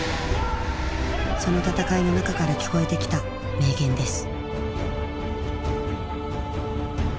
その戦いの中から聞こえてきた名言です。